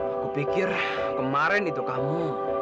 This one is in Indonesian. aku pikir kemarin itu kamu